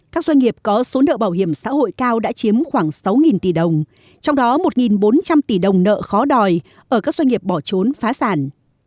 các doanh nghiệp có số nợ bảo hiểm xã hội cao đã chiếm khoảng sáu tỷ đồng trong đó một bốn trăm linh tỷ đồng nợ khó đòi ở các doanh nghiệp bỏ trốn phá sản